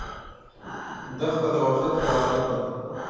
دښته د وحشت سره عادت ده.